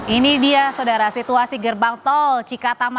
ini dia saudara situasi gerbang tol cikatama